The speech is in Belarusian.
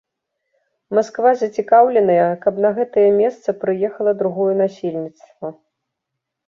Масква зацікаўленая, каб на гэтае месца прыехала другое насельніцтва.